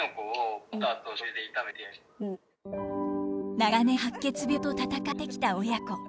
長年白血病と闘ってきた親子。